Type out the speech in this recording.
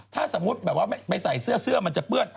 ถ้าสมมุติแบบว่าไปใส่เสื้อเสื้อมันจะเปื้อน